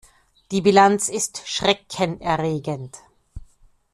Die Bilanz ist schreckenerregend.